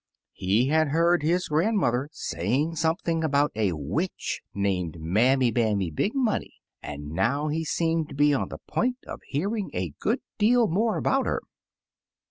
He had heard his grandmother saying something about a witch named Mammy Bammy Big Money, and now he seemed to be on the point of hearing a good deal more about her.